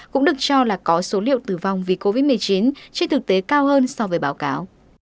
cũng được cho là có số liệu tử vong vì covid một mươi chín trên thực tế cao hơn so với báo cáo